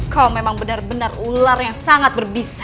kau memang benar benar ular yang sangat berbisa